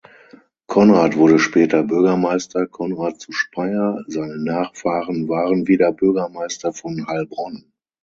Konrad wurde später Bürgermeister Konrad zu Speyer, seine Nachfahren waren wieder Bürgermeister von Heilbronn.